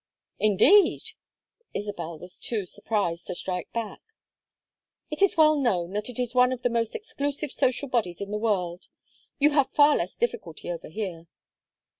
"Indeed!" Isabel was too surprised to strike back. "It is well known that it is one of the most exclusive social bodies in the world. You have far less difficulty over here."